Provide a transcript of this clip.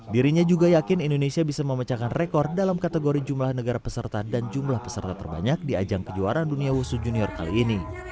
dirinya juga yakin indonesia bisa memecahkan rekor dalam kategori jumlah negara peserta dan jumlah peserta terbanyak di ajang kejuaraan dunia wusu junior kali ini